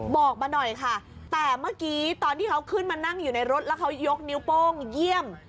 บอกมาหน่อยค่ะแต่เมื่อกี้ตอนที่เขาขึ้นมานั่งอยู่ในรถแล้วเขายกนิ้วโป้งเยี่ยม